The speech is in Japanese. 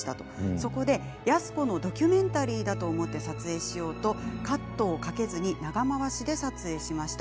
そこで、安子のドキュメンタリーだと思って撮影しようとカットをかけずに長回しで撮影しました。